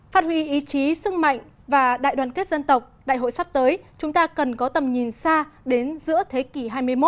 phát huy ý chí sức mạnh và đại đoàn kết dân tộc đại hội sắp tới chúng ta cần có tầm nhìn xa đến giữa thế kỷ hai mươi một